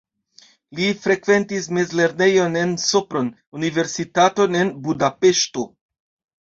Li frekventis mezlernejon en Sopron, universitaton en Budapeŝto.